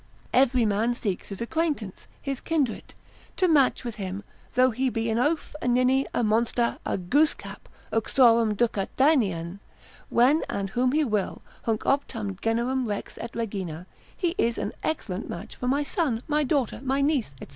Every man seeks his acquaintance, his kindred, to match with him, though he be an oaf, a ninny, a monster, a goose cap, uxorem ducat Danaen, when, and whom he will, hunc optant generum Rex et Regina—he is an excellent match for my son, my daughter, my niece, &c.